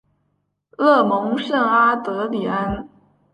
勒蒙圣阿德里安。